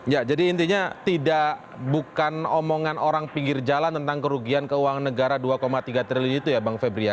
ya jadi intinya tidak bukan omongan orang pinggir jalan tentang kerugian keuangan negara dua tiga triliun itu ya bang febri ya